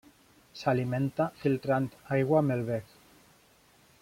S'alimenta filtrant aigua amb el bec.